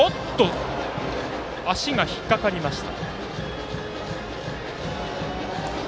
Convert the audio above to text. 足が引っ掛かりました。